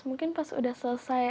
mungkin pas udah selesai